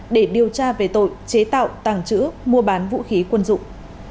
để điều tra về tội chế tạo tàng trữ mua bán vũ khí quân dụng